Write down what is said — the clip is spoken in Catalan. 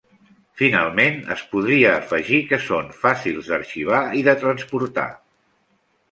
Finalment, es podria afegir que són fàcils d'arxivar i de transportar.